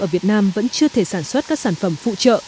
ở việt nam vẫn chưa thể sản xuất các sản phẩm phụ trợ